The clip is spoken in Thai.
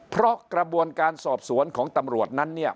เพราะกระบวนการสอบสวนของตำรวจนั้นเนี่ย